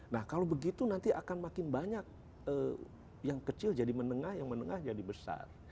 nah kalau begitu nanti akan makin banyak yang kecil jadi menengah yang menengah jadi besar